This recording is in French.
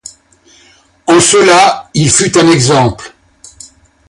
En cela, il fut un exemple.